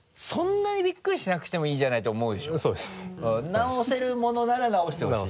直せるものなら直してほしい。